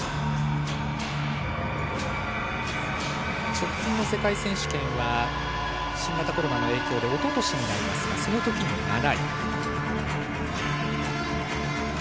直近の世界選手権は新型コロナの影響でおととしですが、その時は７位。